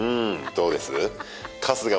どうです？